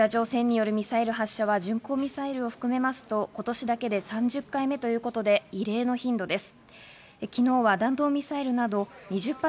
北朝鮮によるミサイル発射は巡航ミサイルを含めますと、今年だけで３０回目ということで異例の頻度です。